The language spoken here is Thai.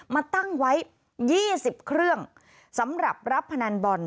มาตั้งไว้๒๐เครื่องสำหรับรับพนันบอล